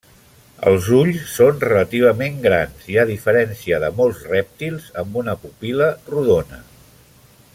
Els ulls són relativament grans i, a diferència de molts rèptils, amb una pupil·la rodona.